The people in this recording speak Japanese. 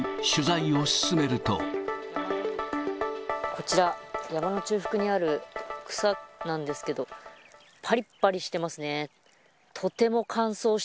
こちら、山の中腹にある草なんですけど、ぱりっぱりしてますね。